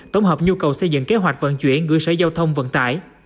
tổng hợp nhu cầu xây dựng kế hoạch vận chuyển gửi sở giao thông vận tải